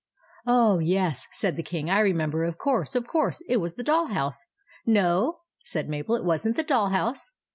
" Oh, yes," said the King ;" I remember. Of course, of course. It was the doll house." "No," said Mabel; "it wasn't the doll house."